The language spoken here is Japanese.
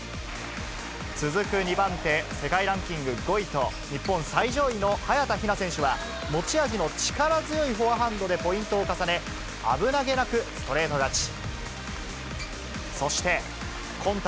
続く２番手、世界ランキング５位と、日本最上位の早田ひな選手は、持ち味の力強いフォアハンドでポイントを重ね、危なげなくストレート勝ち。